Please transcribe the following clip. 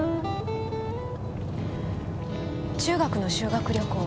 中学の修学旅行